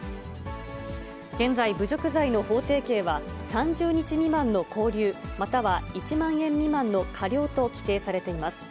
現在、侮辱罪の法定刑は、３０日未満の拘留、または１万円未満の科料と規定されています。